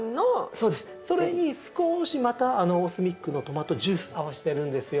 そうですそれに少しまたＯＳＭＩＣのトマトジュース合わせてるんですよ。